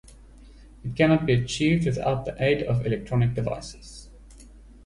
It cannot be achieved without the aid of electronic devices.